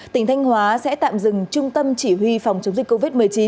tỉnh thanh hóa sẽ tạm dừng trung tâm chỉ huy phòng chống dịch covid một mươi chín